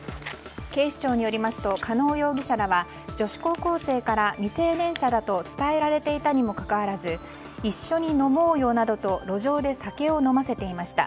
警視庁によりますと加納容疑者らは女子高校生から未成年者だと伝えられていたにもかかわらず一緒に飲もうよなどと路上で酒を飲ませていました。